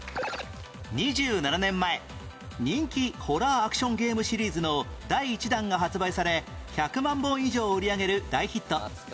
２７年前人気ホラーアクションゲームシリーズの第１弾が発売され１００万本以上を売り上げる大ヒット